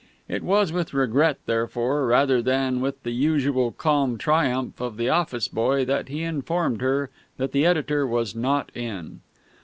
It was with regret, therefore, rather than with the usual calm triumph of the office boy, that he informed her that the editor was not in.